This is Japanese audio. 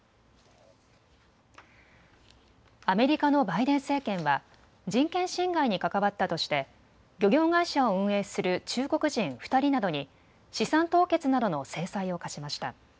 アメリカのバイデン政権は人権侵害に関わったとして漁業会社を運営する中国人２人などに資産凍結などの制裁を科しました。